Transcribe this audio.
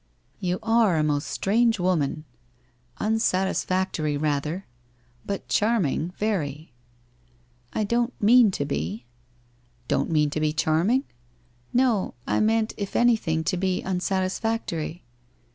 1 You are a most strange woman. Unsatisfactory, rather — but charming, very!' ' I don't mean to be.' ' Don't mean to ho charming? ' 'No. I meant, if anything, to be unsatisfactory.'